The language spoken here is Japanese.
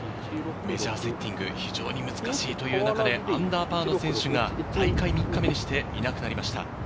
メジャーセッティング、非常に難しいという中で、アンダーパーの選手が大会３日目にして、いなくなりました。